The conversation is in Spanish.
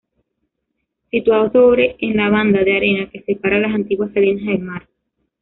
Situados sobre en la banda de arena que separa las antiguas salinas del mar.